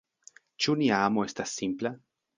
Ĉu nia amo estas simpla?